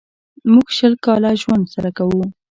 موږ شل کاله ژوند سره کوو.